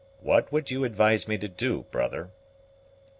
What would you advise me to do, brother?"